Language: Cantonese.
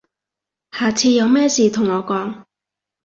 下次有咩事同我講